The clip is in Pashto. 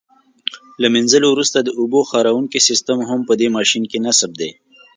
له منځلو وروسته د اوبو خاروونکی سیسټم هم په دې ماشین کې نصب دی.